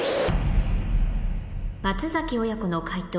松崎親子の解答